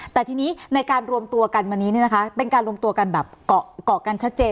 แต่ทีนี้ในการรวมตัวกันวันนี้เป็นการรวมตัวกันแบบเกาะกันชัดเจน